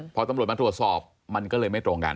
พอตำรวจมาตรวจสอบมันก็เลยไม่ตรงกัน